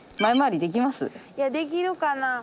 いやできるかな？